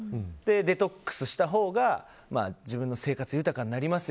デトックスしたほうが自分の生活が豊かになります